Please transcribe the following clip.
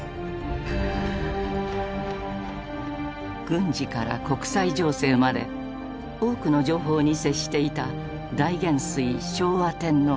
軍事から国際情勢まで多くの情報に接していた大元帥昭和天皇。